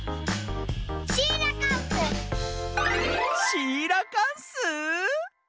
シーラカンス！